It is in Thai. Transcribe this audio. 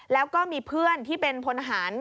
แล้วก็มีเพื่อนที่เป็นพลทหาร